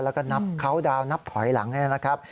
แล้วก็นับเขาดาวนนับถอยหลังนะครับ